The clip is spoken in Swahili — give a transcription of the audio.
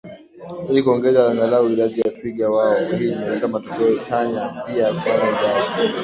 ili kuongeza angalau idadi ya twiga wao Hii imeleta matokeo chanya pia kwani idadi